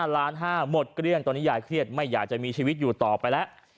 ล้าน๕หมดเกลี้ยงตอนนี้ยายเครียดไม่อยากจะมีชีวิตอยู่ต่อไปแล้ว